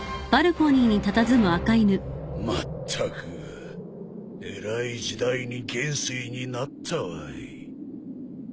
まったくえらい時代に元帥になったわい。